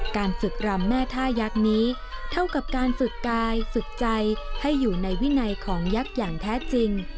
การฝึกรำแม่ท่ายักษ์นี้เท่ากับการฝึกกายฝึกใจให้อยู่ในวินัยของยักษ์อย่างแท้จริง